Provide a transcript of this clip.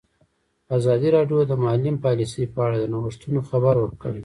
ازادي راډیو د مالي پالیسي په اړه د نوښتونو خبر ورکړی.